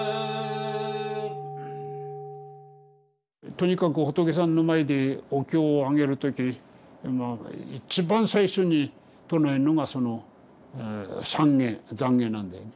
とにかく仏さんの前でお経をあげる時一番最初に唱えんのがその懺悔懺悔なんだよね。